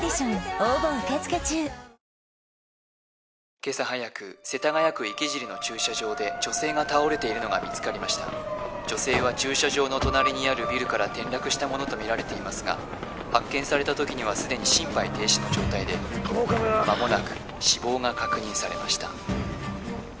今朝早く世田谷区池尻の駐車場で女性が倒れているのが見つかりました女性は駐車場の隣にあるビルから転落したものと見られていますが発見された時にはすでに心肺停止の状態で間もなく死亡が確認されました